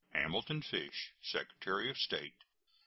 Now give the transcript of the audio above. HAMILTON FISH, Secretary of State.